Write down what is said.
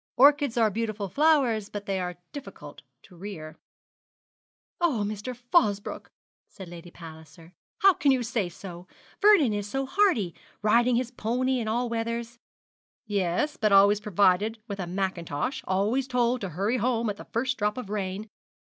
Orchids are beautiful flowers, but they are difficult to rear.' 'Oh, Mr. Fosbroke,' said Lady Palliser, 'how can you say so! Vernie is so hardy riding his pony in all weathers.' 'Yes, but always provided with a mackintosh always told to hurry home at the first drop of rain.